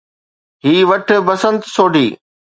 هي وٺ، بسنت سوڍي.